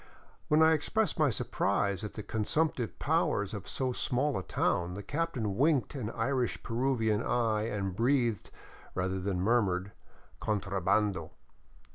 When I expressed my surprise at the consumptive powers of so small a town, the captain winked an Irish Peruvian eye and breathed, rather than murmured, " contrabando."